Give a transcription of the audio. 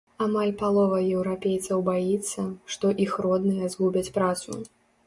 Амаль палова еўрапейцаў баіцца, што іх родныя згубяць працу.